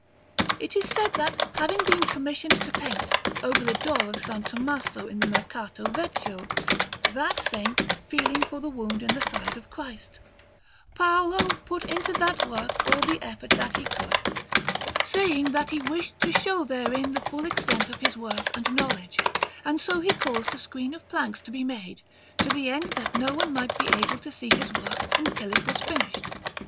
It is said that having been commissioned to paint, over the door of S. Tommaso in the Mercato Vecchio, that Saint feeling for the wound in the side of Christ, Paolo put into that work all the effort that he could, saying that he wished to show therein the full extent of his worth and knowledge; and so he caused a screen of planks to be made, to the end that no one might be able to see his work until it was finished.